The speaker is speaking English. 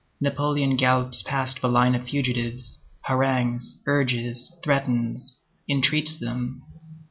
Napoleon gallops past the line of fugitives, harangues, urges, threatens, entreats them.